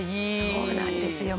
そうなんですよ。